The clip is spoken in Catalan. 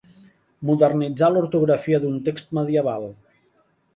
Modernitzar l'ortografia d'un text medieval.